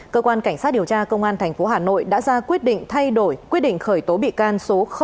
cơ quan cảnh sát điều tra công an tp hà nội đã ra quyết định thay đổi quyết định khởi tố bị can số một